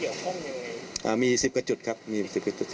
ทั้งหมดมีกี่จุดครับสามารถบอกไหมครับว่าเกี่ยวข้องยังไง